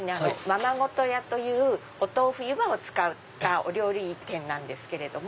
ままごと屋というお豆腐湯葉を使ったお料理店なんです。